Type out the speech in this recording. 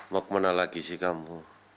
mau kemana lagi si kamu